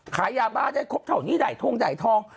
ขายยาบ้าได้ครบเท่านี้ได้ทงไดทอง